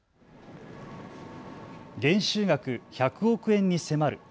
減収額、１００億円に迫る。